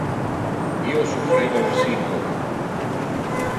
Io suffreva un syncope.